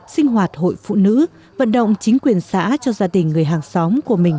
sinh hoạt hội phụ nữ vận động chính quyền xã cho gia đình người hàng xóm của mình